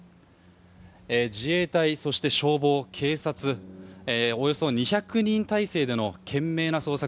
自衛隊、そして消防、警察およそ２００人態勢での懸命な捜索